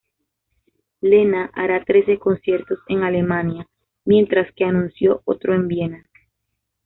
Lena hará trece conciertos en Alemania; mientras que anunció otro en Viena.